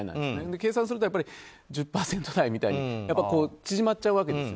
計算すると１０％台とかって縮まっちゃうわけです。